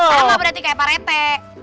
tama berarti kayak parete